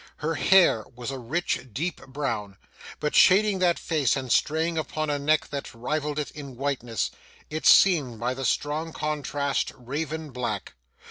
Her hair was a rich deep brown, but shading that face, and straying upon a neck that rivalled it in whiteness, it seemed by the strong contrast raven black.